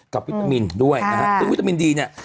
วิตามินด้วยนะฮะซึ่งวิตามินดีเนี่ย